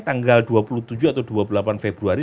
tanggal dua puluh tujuh atau dua puluh delapan februari